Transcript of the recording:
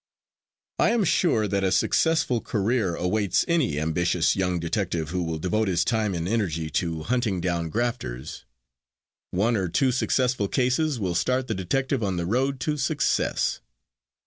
I am sure that a successful career awaits any ambitious young detective who will devote his time and energy to hunting down grafters. One or two successful cases will start the detective on the road to success.